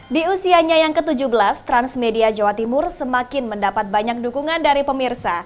di usianya yang ke tujuh belas transmedia jawa timur semakin mendapat banyak dukungan dari pemirsa